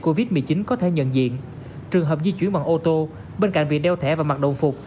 covid một mươi chín có thể nhận diện trường hợp di chuyển bằng ô tô bên cạnh việc đeo thẻ và mặt đồng phục